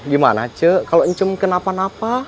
gimana ce kalau encum kenapa napa